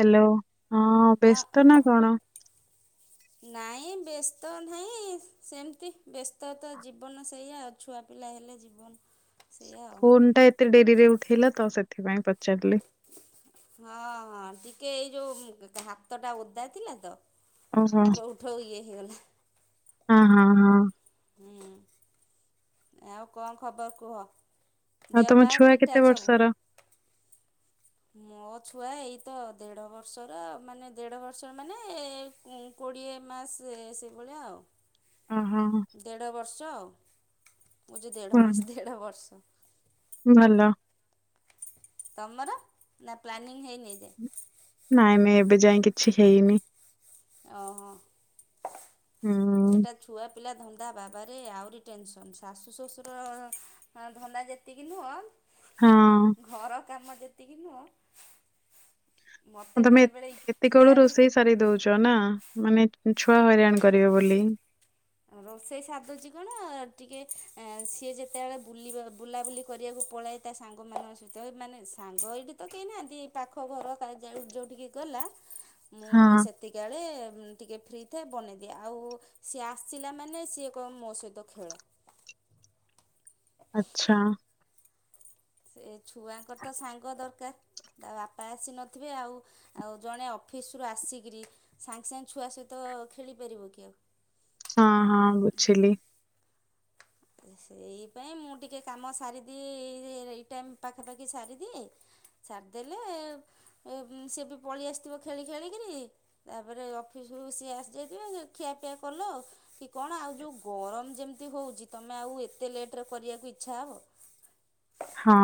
Hello ହଁ ବ୍ୟସ୍ତ ହଁ ନା କଣ? ନାଇଁ ବ୍ୟସ୍ତ ନାହିଁ ସେମିତି ବ୍ୟସ୍ତତା ଜୀବନ ସେଇଆ। ଛୁଆ ପିଲା ହେଲେ ଜୀବନ ସେଇଆ ଆଉ ଫୋନ ଟା ଏତେ ଡେରିରେ ଉଠେଇଲ ତ ସେଥିପାଇଁ ପଚାରିଲି। ହଁ ହଁ ଟିକେ ଏଇ ଯୋଉ ହାତ ଟା ଓଦା ଥିଲା ତ ଓହୋ। ଉଠଉ ଉଠଉ ଇଏ ହେଇଗଲା। ହଁ ହଁ ହଁ। ହୁଁ ଆଉ କଣ ଖବର କୁହ? ଆଉ ଦେହ ତମ ପା ଛୁଆ କେତେ ଠିକଠାକ୍ ସବୁ। ବର୍ଷର? ମୋ ଛୁଆ ଏଇତ ଦେଢ ବର୍ଷର ମାନେ ଦେଢ ବର୍ଷ ମାନେ କୋଡ଼ିଏ ମାସ ସେଇଭଳିଆ ଆଉ। ଓହୋ। ଦେଢ଼ ବର୍ଷ ଆଉ ମୁଁ ଯେ ଦେଢ଼ ଭଲ ମାସ ଦେଢ଼ ବର୍ଷ। ଭଲ। ତମର ନା ପ୍ଲାନିଂ ହେଇନି ଏଇଯାଏ। ନାଇଁ ମ ଏବେ ଯାଇ କିଛି ହେଇନି। ଓ ହୋ। ହୁଁ। ସେଇଟା ଛୁଆ ପିଲା ଧନ୍ଦା ବାବାରେ ଆହୁରି ଟେନସନ ଶାଶୁ ଶଶୁର ହଁ ଧନ୍ଦା ଯେତିକି ହଁ ଆଉ ନୁହଁ ଘର କାମ ଯେତିକି ନୁହଁ ମୋତେ ତମେ ବେଳେବେଳେ ଇଚ୍ଛା ଏତିକବେଳୁ ହୁଏ ରୋଷେଇ ସାରି ଦଉଛ ନା ମାନେ ଛୁଆ ହଇରାଣ କରିବେ ବୋଲି। ରୋଷେଇ ସାରିଦେଉଛି କଣ ଟିକେ ସିଏ ଯେତେବେଳେ ବୁଲିବା ବୁଲାବୁଲି କରିବାକୁ ପଳାଏ ତା ସାଙ୍ଗମାନଙ୍କ ସହିତ ମାନେ ସାଙ୍ଗ ଏଇଠି ତ କେହି ନାହାନ୍ତି ପାଖ ଘର ଯୋଉଠିକି ଗଲା ହଁ। ମୁଁ ସେତିକିଏଳେ ଟିକେ ଫ୍ରି ଥାଏ ବନେଇଦିଏ ଆଉ ସିଏ ଆ ଆସିଲାମାନେ ସିଏ କହିମ ମୋ ସହିତ ଖେଳ। ଆଛା। ସେ ଛୁଆଙ୍କର ତ ସାଙ୍ଗ ଦରକାର ତା ବାପା ଆସି ନଥିବେ ଆଉ ଆଉ ଜଣେ ଅଫିସରୁ ଆସିକରି ସାଙ୍ଗେ ସାଙ୍ଗେ ଛୁଆ ସହିତ ଖେଳିପାରିବ କି ଆଉ। ହଁ ହଁ ବୁଝିଲି। ସେଇପାଇଁ ମୁଁ ଟିକେ କାମ ସାରିଦିଏ ଏଇ ଟାଇମ୍ ପାଖାପାଖି ସାରିଦିଏ ସାରଦେଲେ ସିଏ ବି ପଳେଇ ଆସିଥିବ ଖେଳି ଖେଳିକିରି ତାପରେ ଅଫିସକୁ ସିଏ ଆସିଯାଇଥିବେ ଖିଆପିଆ କଲ ଆଉ। କି କଣ ଆଉ ଯେଉଁ ଗରମ ଯେମିତି ହେଉଛି ତୁମେ ଆଉ ଏତେ ଲେଟ୍ କରିବାକୁ ଇଚ୍ଛା ହେବ। ହଁ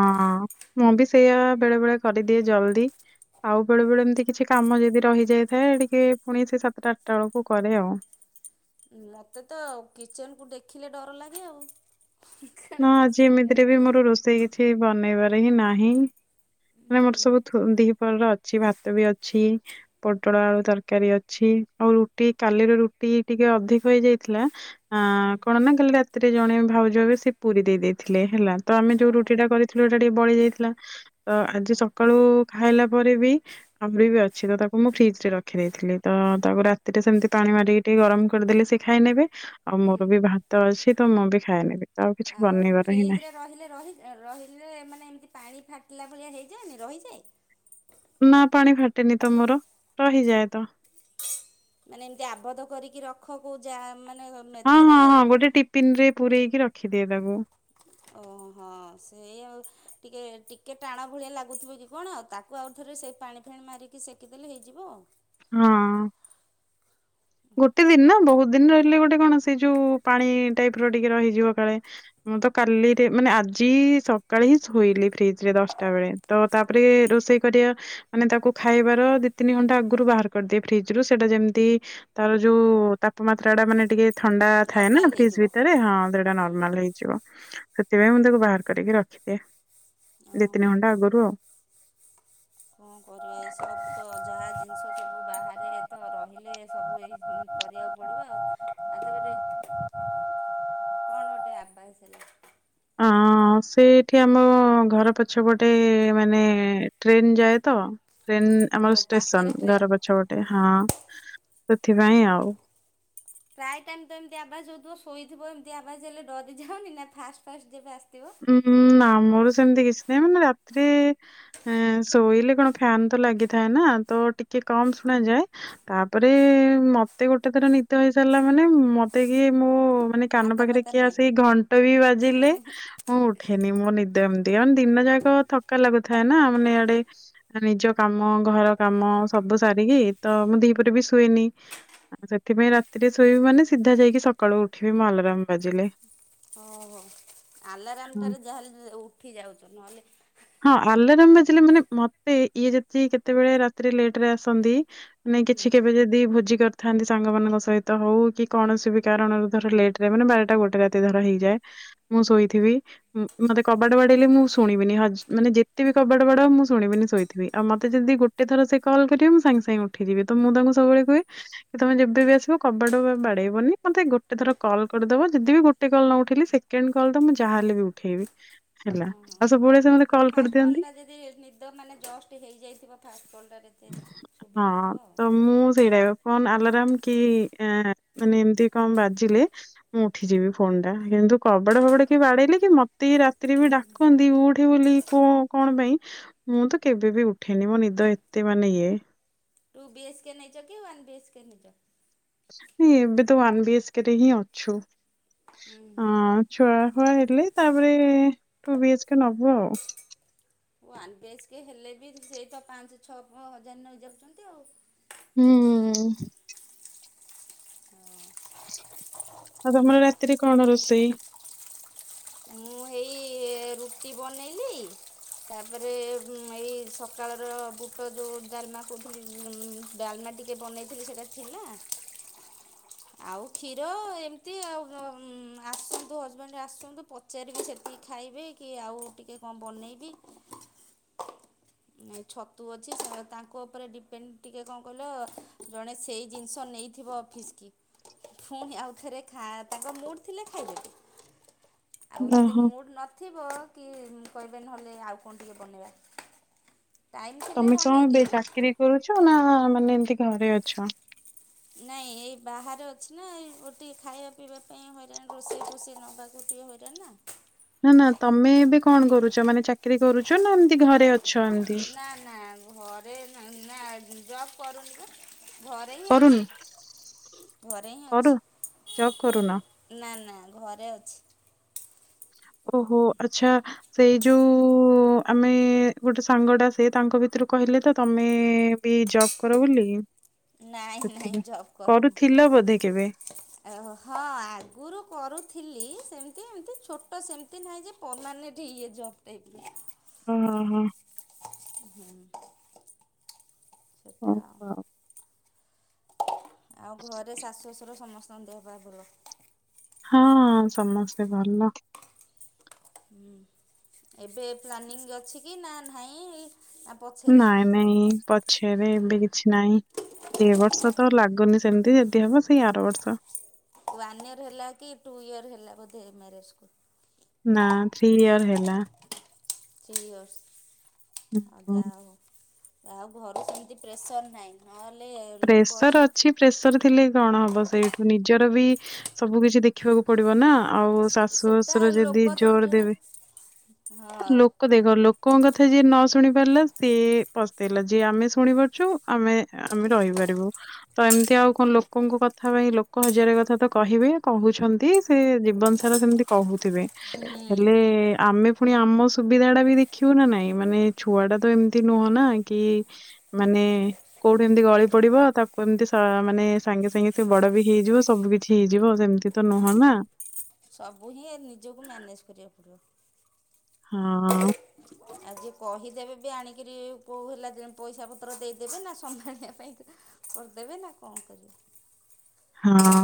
ମୁଁ ବି ସେଇୟା ବେଳେ ବେଳେ କରିଦିଏ ଜଲ୍ଦି। ଆଉ ବେଳେ ବେଳେ ଏମିତି କିଛି କାମ ଯଦି ରହିଯାଇଥାଏ ଟିକେ ପୁଣି ସେ ସାତଟା ଆଠଟା ବେଳକୁ କରେ ଆଉ। ମତେ ତ କିଚେନ୍ କୁ ଦେଖିଲେ ଡର ଲାଗେ ଆଉ। କାଳେ ହଁ ଆଜି ପଶିବି ଏମିତିରେ ବି ନାହିଁ ମୋର ରୋଷେଇ କିଛି ବନେଇବାରେ ହିଁ ନାହିଁ। ମାନେ ମୋର ସବୁ ଦିହିପରର ଅଛି ଭାତ ବି ଅଛି। ପୋଟଳ ଆଳୁ ତରକାରୀ ଅଛି ଆଉ ରୁଟି କାଲିର ରୁଟି ଟିକେ ଅଧିକ ହେଇଯାଇଥିଲା ଆ ହୁଁ କଣ ନା କାଲି ରାତିରେ ଜଣେ ଭାଉଜ ହେବେ ସେ ପୁରୀ ଦେଇ ଦେଇେଇଥିଲେ ହେଲା। ତ ଆମେ ଯୋଉ ଓହୋ ରୁଟି ଟା କରିଥିଲୁ ଏଇଟା ଟିକେ ବଳି ଯାଇଥିଲା ତ ଆଜି ହଁ ସକାଳୁ ଖାଇଲା ପରେ ବି। ଅମ୍ବି ବି ଅଛି ତ ତାକୁ ମୁଁ ଫ୍ରିଜ ରେ ରଖିଦେଇଥିଲି ତ ତାକୁ ରାତିରେ ସେମିତି ପାଣି ମାରିକି ଟିକେ ଗରମ କରିଦେଲେ ସେ ଖାଇ ନେବେ ଆଉ ହୁଁ। ମୋର ବି ଭାତ ଅଛି ତ ମୁଁ ବି ଖାଇ ନେବି। ଆଉ ଫ୍ରିଜରେ ରହିଲେ ରହି ରହିଲେ ମାନେ ଏମିତି ପାଣି ଫାଟିଲା ଭଳିଆ ହେଇଯାଏନି ରହିଯାଏ। ନା ପାଣି ଫାଟେନି ତମର ରହିଯାଏ ତ। ମାନେ ଏମତି ଆବଧ କରିକି ରଖ କୋ ଯା ମାନେ ହଁ ମେଥେରେ ହଁ ହଁ ଗୋଟେ ଟିଫିନ୍ ରେ ପୁରେଇକି ରଖିଦିଏ ତାକୁ। ଓହୋ ସେଇ ଆଉ ଟିକେ ଟିକେ ଟାଣ ଭଳିଆ ଲାଗୁଥିବ କି କଣ ଆଉ ତାକୁ ତାକୁ ଆଉ ଥରେ ସେଇ ପାଣି ଫାଣି ମାରିକି ସେକିଦେଲେ ହେଇଯିବ ଆଉ। ହଁ। ଗୋଟେ ଦିନ ନା ବହୁତ୍ ଦିନ ରହିଲେ ଗୋଟେ କଣ ସେ ଯୋଉ ପାଣି ଟାଇପ ର ଟିକେ ରହିଯିବ କାଳେ। ମୁଁ ତ କାଲିରେ ମାନେ ଆଜି ସକାଳେ ହିଁ ଶୋଇଲି ଫ୍ରିଜ ରେ ଦଶଟା ବେଳେ। ତ ତାପରେ ରୋଷେଇ କରିବା। ମାନେ ତାକୁ ଖାଇବାର ଦି ତିନି ଘଣ୍ଟା ଆଗରୁ ବାହାର କରିଦିଏ ଫ୍ରିଜ୍ ରୁ ସେଇଟା ଯେମିତି। ତାର ଯୋଉ ତାପମାତ୍ରା ଟା ମାନେ ଟିକେ ଥଣ୍ଡା ଥାଏ ନା ନା ନର୍ମାଲ ଫ୍ରିଜ୍ ହେଇଯିବ ଭିତରେ ହଁ ସେଟା ହୁଁ ନର୍ମାଲ ହେଇଯିବ। ସେଥିପାଇଁ ମୁଁ ତାକୁ ବାହାର କରିକି ରଖିଦିଏ ଦିଇ ତିନି ଓହୋ। ଘଣ୍ଟା ଆଗରୁ ଆଉ। କଣ କରିବା ଏସବୁ ତ ଯାହା ଜିନିଷ। ତ ସବୁ ବାହାରେ ତ ରହିଲେ ସବୁ ଏଇ କରିବାକୁ ପଡ଼ିବ ଆଉ। ଆ ତାପରେ। କଣ ଗୋଟେ ଆବାଜ୍ ହେଲା। ହଁ। ହଁ ସେଇଠି ଆମ ଘର ପଛ ମାନେ ଟ୍ରେନ୍ ଯାଏ ତ। ଟ୍ରେନ୍ ଓ ଆମର ପାଖରେ ଷ୍ଟେସନ ଟ୍ରେନ୍ ଘର ପଛ ପଟେ ହଁ ସେଥିପାଇଁ ଆଉ। ପ୍ରାୟ ଟାଇମ୍ ତ ଏମିତି ଆବାଜ୍ ହଉଥିବ ଶୋଇଥିବ ଏମତି ଆବାଜ୍ ହେଲେ ଡରି ଯାଉନି ନା ଫାଷ୍ଟ ଫାଷ୍ଟ ଯେବେ ଆସିଥିବ। ଉଁଉଁ ନା ଆମର ସେମିତି କିଛି ନାହିଁ ମାନେ ରାତିିରେ ହଁ ଶୋଇଲେ କଣ ଫ୍ୟାନ୍ ତ ଲାଗିଥାଏ ନା ତ ଟିକେ କମ ଶୁଣାଯାଏ। ତାପରେ ମତେ ଗୋଟେ ଥର ନିଦ ହେଇସାରିଲା ମାନେ ମତେ କିଏ ମୋ ମାନେ। କାନ ପାଖରେ ଆତାପାତା କିଏ ନାହିଁ ଆସିକି ଘଣ୍ଟ ବି ବାଜିଲେ। ମୁଁ ଉଠେନି ମୋ ନିଦ ଏମିତି ଆ ଦିନ ଯାକ ଥକା ଲାଗୁଥାଏ ନା ମାନେ ଆଡ଼େ ନିଜ କାମ ଘର କାମ ସବୁ ସାରିକି ତ ମୁଁ ଦିପହରେ ବି ଶୋଇନି ଆଉ ସେଥିପାଇଁ ରାତିରେ ଶୋଇବି ମାନେ ସିଧା ଯାଇକି ସକାଳୁ ଉଠିବି ମୁଁ ଆଲାରାମ୍ ବାଜିଲେ। ଓହୋ ଆଲାରାମ୍ ହଁ ତାରେ ଯାହାରେ ଉଠି ଯାଉଛୁ ନହେଲେ ହଁ ଆଲାରମ୍ ବାଜିଲେ ମାନେ ମତେ ଇଏ ଯତିି କେତେବେଳେ ରାତିରେ ଲେଟ୍ ରେ ଆସନ୍ତି ନାଇଁ ହୁଁ କିଛି କେବେ ଯଦି ଭୋଜି କରୁ ଥାନ୍ତି ସାଙ୍ଗମାନଙ୍କ ସହିତ ହଉ କି କୌଣସି ବି କାରଣରୁ ଧର ଲେଟ୍ ରେ ମାନେ ବାରଟା ଗୋଟେ ରାତି ଧର ହେଇଯାଏ ମୁଁ ଶୋଇଥିବି ମତେ କବାଟ ବାଡେଇଲେ ମୁଁ ଶୁଣିବିନି ହଜା ମାନେ ଯେତେ ବି କବାଟ ବାଡ଼ାଅ ମୁଁ ଶୁଣିବିନି ଶୋଇଥିବି ଆଉ ମତେ ଯଦି ଗୋଟେ ଥର ସେ କଲ୍ କରିବେ ମୁ ସାଙ୍ଗେ ସାଙ୍ଗେ ଉ ଉଠିଯିବି ତ ମୁଁ ତାଙ୍କୁ ସବୁବେଳେ କୁହେ କି ତମେ ଯେବେ ବି ଆସିବ କବାଟ ବାଡେଇବନି ମତେ ଗୋଟେ ଥର କଲ କରିଦବ ଯଦି ବି ଗୋଟେ କଲ୍ ନଉଠେଇଲି ସେ କେଣ୍ଡ୍ କଲ ତ ମୁଁ ଯାହା ହେଲେ ବି ଉଠେଇବି ହେଲା। ଓହୋ ଆଉ ହଁ ସବୁବେଳେ ସେ ଗୋ ମତେ ଫାଷ୍ଟ କରିଦିଅନ୍ତି କଲ୍ ଟା ଯଦି ନିଦ ମାନେ ଜଷ୍ଟ ହେଇଯାଇଥିବ ଫାଷ୍ଟ କଲ ଟାରେ। ହଁ ତ ମୁଁ ସେଇଟା ଫୋନ ଆଲାରମ କି ଏଁ ମାନେ ଏମତି କଣ ବାଜିଲେ। ମୁଁ ଉଠି ଯିବି ଫୋନ ଟା କିନ୍ତୁ କବାଡ ଫବାଟ କିଏ ବାଡେଇଲି କି ମତେ ଆଉ ଇଏ ରାତିରେ ବି ଡା କନ୍ତି ଉଠେ ବୋଲି କୋ କଣ ପାଇଁ ମୁଁ ତ କେବେ ବି ଉଠେନି ମୋ ନିଦ‌ ଏ ଏତେ ମାନେ ଇଏ। ଟୁ ବି ଏଚ୍ କେ ନେଇଛ କି ୱନ୍ ବି ଏଚ୍ କେ ନେଇଛ? ହିଁ ଏବେ ତ ୱନ୍ ବି ଏଚ୍ କେ ରେ ହିଁ ଅଛୁ। ହଁ ହୁଁ ଛୁଆ ଫୁଆ ହେଲେ ତାପରେ ଟୁ ବି ଏଚ୍ କେ ନବୁ ଆଉ। ୱାନ୍ ବି ଏଚ କେ ହେଲେ ବି ସେଇ ତ ପାଞ୍ଚ ଛଅ ପ ହଜାର ନେଇ ଯାଉଛନ୍ତି ଆଉ। ହୁଁ। ହୁଁ। ଆଉ ତମର ରାତିରେ କଣ ରୋଷେଇ? ମୁଁ ହେଇ ରୁଟି ବନେଇଲି। ତାପରେ ବୁ ମ ଏ ସକାଳର ବୁଟ ଯୋଉ ଡାଲମା କହୁଥିଲି ଡାଲମା ଟିକ ଟିକେ ବନେଇଥିଲି ସେଇଟା ଥିଲା। ଆଉ କ୍ଷୀର ଏମିତି ଆଉ ଆସନ୍ତୁ ହଜବେଣ୍ଡରେ ଆସନ୍ତୁ। ପଚାରିବି ସେତିକି ଖାଇବେ କି ଆଉ ଟିକେ କଣ ବନେଇବି। ଏ ଛତୁ ଅଛି ତାଙ୍କ ଉପରେ ଡିପେଣ୍ଡ ଟିକେ କଣ କହିଲ ଜଣେ ସେଇ ଜିନିଷ ନେଇ ଥିବ ଅଫିଶ୍ କି ଫୁନି ଆଉ ଥରେ ଖା ତାଙ୍କ ମୁଡ୍ ଥିଲେ ଖାଇବେ। ଆଉ ଯଦି ଓହୋ ମୁଡ଼ ନଥିବ କି କହିବେ ନହେଲେ ଆଉ କଣ ଟିକେ ବନେଇବା। ଟାଇମ୍ ଥିଲେ ତମେ କଣ ବନେଇ ଏବେ ଦିଏ ଚାକିରି କରୁଛ ନା ମାନେ ଏମତି ଘରେ ଅଛ। ନାଇଁ ଏଇ ବାହାରେ ଅଛି ନା ଏଇ ଟିକେ ଖାଇବା ପିଇବା ପାଇଁ ହଇରାଣ ରୋଷେଇ ଫୋଷେଇ ନବାକୁ ଟିକେ ହଇରାଣ। ହଉଛନ୍ତି ନା ନା ନା ତମେ ଏବେ କଣ କରୁଛ ମାନେ ଚାକିରି କରୁଛ ନା ଏମିତି ଘରେ ଅଛ ଏମତି। ନା ନା ଘରେ ନା ନା ଜବ୍ କରୁନି ବା। ଘରେ ହିଁ କରୁନ ଅଛି ଘରେ ହିଁ କରୁ ଜବ୍ କରୁନ ଅଛି। ନା ନା ଘରେ ଅଛି। ଓହୋ ଆଚ୍ଛା। ସେଇ ଯୋଉ ଆମେ ଗୋଟେ ସାଙ୍ଗଟା ସେ ତାଙ୍କ ଭିତରୁ କହିଲେ ତ ତମେ। ବି ଜବ କର ବୋଲି ନାଇଁ ନାଇଁ ସେଥିପାଇଁ ଜବ୍ କରୁଥିଲ ବୋଧେ କେବେ। ଆ ହ ଆଗରୁ କରୁଥିଲି ସେମିତି ଏମିତି ଛୋଟ ସେମିତି ନାହି ଯେ ପରମାନେଣ୍ଟ ଇଏ ଜବ ଟାଇପ ରେ। ଓହୋ ହ। ହୁଁ। ହଉ କୁଅ ଆଉ। ଆଉ ଘରେ ଶାଶୁ ଶଶୁର ସମସ୍ତଙ୍କ ଦେହ ପା ଭଲ। ହଁ ସମସ୍ତେ ଭଲ। ହୁଁ ଏବେ ପ୍ଲାନିଂ ଅଛି କି ନା ନାହିଁ। ପଛରେ ନାଇଁ ନାଇଁ ପଛରେ ଏବେ କିଛି ନାଇଁ। ଏ ବର୍ଷ ତ ଲାଗୁନି ସେମିତି ଯଦି ହବ ସେଇ ଆର ବର୍ଷ। ୱାନ୍ ଇୟର ହେଲା କି ଟୁ ଇୟର ହେଲା ବୋଧେ ମ୍ୟାରେଜ କୁ। ନା ଥ୍ରୀ ଇୟର ହେଲା। ଥ୍ରି ୟରସ୍ ଆଉ ହୁଁ ଜା ହଉ। ଜା ହଉ ଘରେ ସେମିତି ପ୍ରେସର ନାହିଁ। ନହେଲେ। ଲୋକ ପ୍ରେସର ଅଛନ୍ତି ଅଛି। ପ୍ରେସର ଥିଲେ କଣ ହବ ସେଇଠୁ ନିଜର ବି ସବୁ କିିଛି ଦେଖିବାକୁ ପଡିବ ନା। ଆଉ ସେ ଶାଶୁ ସେଟା ଶଶୁର ଲୋକ ଯଦି ଜଣେ ଜୋର ଜଣେ ଦେବେ ଲୋକ ହଁ ଦେଖ ଲୋକଙ୍କ କଥା ଯିଏ ନ ଶୁଣି ପାରିଲା ସିଏ ପସ୍ତେଇଲା ଯିଏ ଆମେ ଶୁଣି ପାରୁଛୁ ଆମେ ଆମେ ରହିପାରିବୁ। ତ ଏମିତି ଆଉ କଣ ଲୋକଙ୍କ କଥା ପାଇଁ ଲୋକ ହଜାର କଥା ତ କହିବେ କହୁଛନ୍ତି ସେ ଜୀବନ, ସେମିତି କହୁଥିବେ। ହୁଁ ହେଲେ ଆମେ ପୁଣି ଆମ ସୁବିଧା ଟା ବି ଦେଖିବୁ ନା ନାଇଁ ମାନେ ଛୁଆ ଟା ତ ଏମିତି ନୁହଁ ନା। କି ମାନେ କୋଉଠି ଏମିତି ଗଳି ପଡିବ ତାକୁ ଏମିତି ମାନେ ସାଙ୍ଗେ ସାଙ୍ଗେ ସେ ବଡ ବି ହେଇଯିବ ସବୁ କିଛି ହେଇଯିବ ସେମିତି। ତ ନୁହଁ ନା। ସବୁ ହିଁ ନିଜକୁ ମ୍ୟାନେଜ କରିବାକୁ ପଡିବ। ହଁ। ଆଜି କହିଦେବେ ବି ଆଣିକିରି କୋଉ ହେଲା ଯେ ପଇସା ପତ୍ର ଦେଇଦେବେ ନା ସମ୍ଭାଳିବା ପାଇଁ ତ। କରିଦେବେ ନା କଣ କରିବ? ହଁ।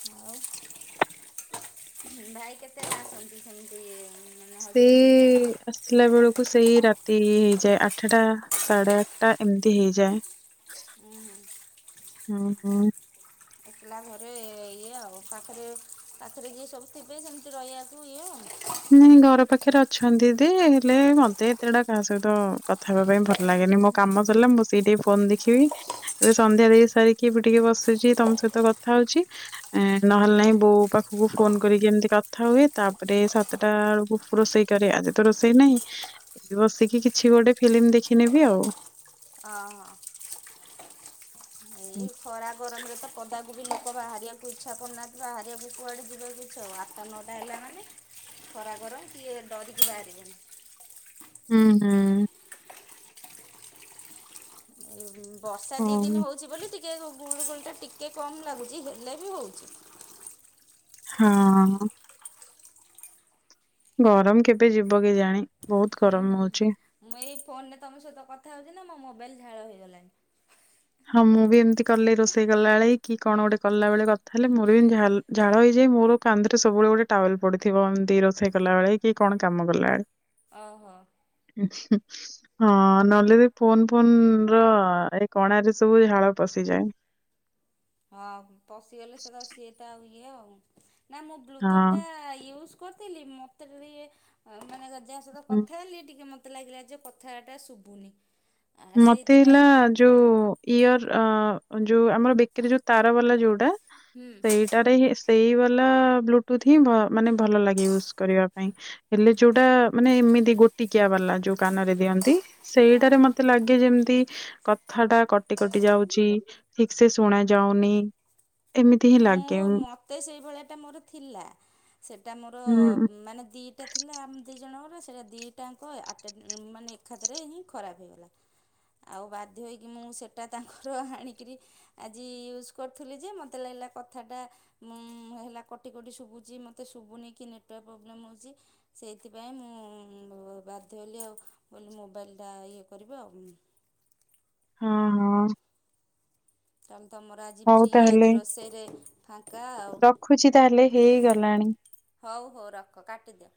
ଆଉ ଭାଇ କେତେବେଳେ ଆସନ୍ତି ସେମିତି ମାନେ ହଜବେଣ୍ଡ ସେଇ କେତେବେଳେ ଆସିଲା ବେଳକୁ ସେଇ ରାତି ହେଇଯାଏ ଆଠଟା। ସାଢେ ଆଠଟା ଏମିତି ହେଇଯାଏ। ଉଁ ହୁଁ। ହୁଁ ହୁଁ। ଆସିଲା ଘରେ ଇଏ ଆଉ ପାଖରେ ପାଖରେ ଯିଏ ସବୁ ଥିବେ ସେମିତି ରହିବାକୁ ଇଏ ଆଉ। ହୁଁ ଘର ପାଖରେ ଅଛନ୍ତି ଦିଦି ହେଲେ ମତେ ଏତେଟା କାହା ସହିତ କଥା ହେବା ପାଇଁ ଭଲ ଲାଗେନି ମ କାମ ସରିଲା ମୁଁ ବସିକି ଟିକେ ଫୋନ ଦେଖିବି। ଏବେ ସନ୍ଧ୍ୟା ଦେଇ ସାରିକି ଏବେ ଟିକେ ବସିଛି ତମ ସହିତ କଥା ହଉଛି। ଏ ନହେଲେ ନାହିଁ ବୋଉ ପାଖକୁ ଫୋନ କରିକି ଏମିତି କଥା ହୁଏ ତାପର ସା ସାତଟା ବେଳକୁ ରୋଷେଇ କରେ ଆଜି ତ ରୋଷେଇ ନାହିଁ। ବସିକି କିଛି ଗୋଟେ ଫିଲିମ୍ ଦେଖିନେବି ଆଉ। ଅ ହଁ। ଏଇ ଖରା ଗରମରେ ତ ପଦାକୁ ବି ଲୋକ ବାହାରିବାକୁ ଇଚ୍ଛା କରୁନାହାନ୍ତି ବାହାରିବାକୁ କୁଆଡେ ଯିବେ କିଛି ଆଉ ଆଠଟା ନଅଟା ହେଲା ମାନେ। ଖରା ଗରମ କିଏ ଡରିକି ବାହାରିବେନି। ହୁଁ ହୁଁ। ଏ ବର୍ଷା ଦି ଦିନ ହୁଁ। ହୋଉଛି ବୋଲିି ଟି ଟିକେ ଗୁଳ ଗୋଳି ଟା ଟିକେ କମ ଲାଗୁଛି ହେଲେ ବି ହଉଛି। ହଁ। ଗରମ କେବେ ଯିବ କେଜାଣି? ବହୁତ ହୁଁ ଗରମ ହଉଛି। ମୁଁ ଏଇ ଫୋନରେ ତମ ସହିତ କଥା ହଉଛି ନା ମୋ ମୋବାଇଲ ଝାଳ ହେଇଗଲାଣି। ହଁ ମୁଁ ବି ଏମିତି କଲେ ରୋଷେଇ କଲା ବଳେ କି କଣ ଗୋଟେ କଲା ବେଳେ କଥା ହେଲେ ମୋର ବି ଏମିତି ଝାଲ ଝାଳ ହେଇଯାଇ ମୋର କାନ୍ଧରେ ସବୁବେଳେ ଗୋଟେ ଟାୱେଲ ପଡିଥିବ ଏମିତି ରୋଷେଇ କଲା ବଳେ କି କଣ କାମ କଲାବେଳେ। ଓ ହୋ। ହଁ ନହେଲେ ଫୋନ ଫୋନ ର ଏଇ କଣାରେ ସବୁ ଝାଳ ପଶିଯାଏ। ହଁ ପଶିଗଲେ ସେଟା ସିଏଟା ଆଉ ଇଏ ଆଉ ନା ମୁଁ ବ୍ଲୁଟୁଥ୍ ଟା ହଁ ୟୁଜ୍ କରିଥିଲି ମତେ ଟିକେ ମାନେ ଯାହା ସହିତ ହୁଁ। କଥା ହେଲି ଟିକେ ମତେ ମତେ ଲାଗିଲା ଯେ କଥା ଟା ଶୁଭୁନି। ଆ ମତେ ହେଲା ସେଇଥିପାଇଁ ଯୋଉ ଇୟର ଯୋଉ ଆମର ବେକେରେ ଯୋଉ ତାରା ବାଲା ଯୋଉଟା? ହୁଁ ସେଇ ଟାରେ ହଁ ସେଇ ବାଲା ବ୍ଲୁଟୁଥ୍ ହିଁ ମାନେ ଭଲ ଲାଗେ ୟୁଜ୍ କରିବା ପାଇଁ ହେଲେ ଯୋଉଟା ମାନେ ଏମିତି ଗୋଟିକିଆ ବାଲା ଯୋଉ କାନରେ ଦିଅନ୍ତି ସେଇଟାରେ ମତେ ଆଗେ ଯେମିତି କଥା ଟା କଟି କଟି ଯାଉଛି ଠିକ ସେ ଶୁଣା ଯାଉନି ଏମିତି ହିଁ ମୁଁ ଲାଗେ। ମତେ ସେହିଭଳିଟା ମୋର ଥିଲା ସେଟା ମୋର ଉଁ ମାନେ ଦିି ଟା ଥିଲା ଆମ ଦି ଜଣଙ୍କର ସେଇଟା ଦିଇଟାଙ୍କ ଆଟେଟ୍ ମାନେ ଏକାଥରେ ହିଁ ଖରାପ ହେଇଗଲା। ଆଉ ବାଧ୍ୟ ହୋଇକି ମୁଁ ସେଟା ତାଙ୍କର ଆଣିକିରି ଆଜି ୟୁଜ କରୁଥିଲି ଯେ ମତେ ଲାଗିଲା କଥାଟା ହମ୍ ହେଲା କଟି କଟି ଶୁଭୁଛି ମତ ଶୁଭୁନି କି ନେଟୱର୍କ ପ୍ରୋବ୍ଲେମ୍ ହଉଛି। ସେଇଥିପାଇଁ ମୁଁ ବାଧ୍ୟହେଲି ଆଉ ବୋଲି ମୋବାଇଲ ଟା ଇଏ କରିବା ଆଉ ହଁ ହଁ। ତା ହେଲେ ତମର ଆଜି ହଉ ଫ୍ରି ତାହେଲେ ଆଜି ରୋଷେଇରେ ଫାଙ୍କା ଆଉ। ରଖୁଛି ତାହେଲେ ହେଇଗଲାଣି। ହଉ ହଉ ରଖ କାଟିଦିଅ।